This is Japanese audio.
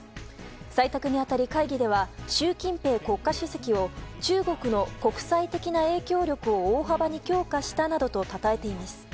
採択泣いたり会議では習近平国家主席を中国の国際的な影響力を大幅に強化したなどとたたえています。